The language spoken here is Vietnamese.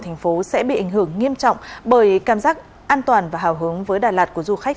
thành phố sẽ bị ảnh hưởng nghiêm trọng bởi cảm giác an toàn và hào hứng với đà lạt của du khách